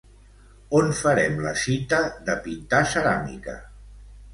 On farem la cita de pintar ceràmica?